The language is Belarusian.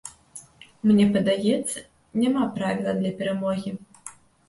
Мне падаецца, няма правіла для перамогі.